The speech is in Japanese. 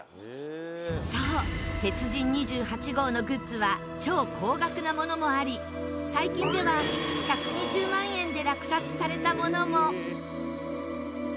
そう『鉄人２８号』のグッズは超高額なものもあり最近では１２０万円で落札されたものも。